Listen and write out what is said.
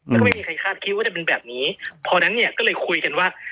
แล้วก็ไม่มีใครคาดคิดว่าจะเป็นแบบนี้พอนั้นเนี่ยก็เลยคุยกันว่า